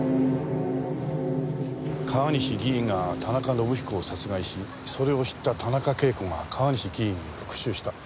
川西議員が田中伸彦を殺害しそれを知った田中啓子が川西議員に復讐した。